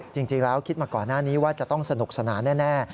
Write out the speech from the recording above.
จริงแล้วคิดมาก่อนหน้านี้ว่าจะต้องสนุกสนานแน่